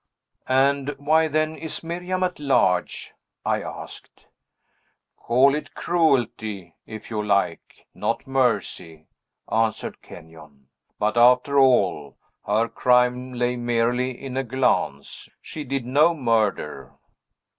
"And why, then, is Miriam at large?" I asked. "Call it cruelty if you like, not mercy," answered Kenyon. "But, after all, her crime lay merely in a glance. She did no murder!"